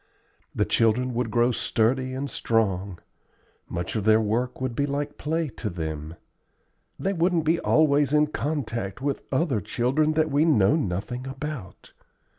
The children would grow sturdy and strong; much of their work would be like play to them; they wouldn't be always in contact with other children that we know nothing about.